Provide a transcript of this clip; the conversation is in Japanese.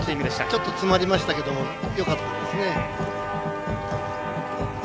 ちょっと詰まりましたけどよかったですよね。